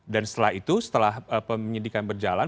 dan setelah itu setelah penyidikan berjalan